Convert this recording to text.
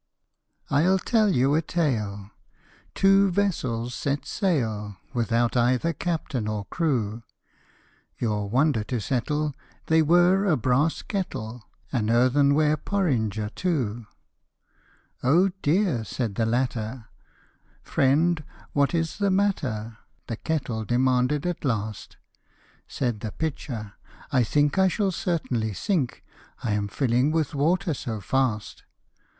I'LL tell you a tale : two vessels set sail, Without either captain or crew ! Your wonder to settle, they were a brass kettle, An earthenware porringer too. t " O dear !" said the latter :" Friend, what is the matter ?" The kettle demanded, at last. Said the pitcher, " I think I shall certainly sink, I am filling with water so fast."